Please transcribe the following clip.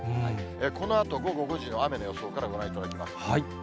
このあと午後５時の雨の予想からご覧いただきます。